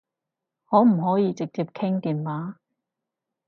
可唔可以直接傾電話？